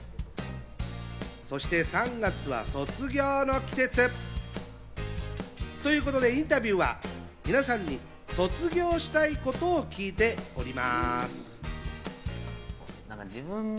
そして３月は卒業の季節ということで、インタビューでは、皆さんに卒業したいことを聞いております。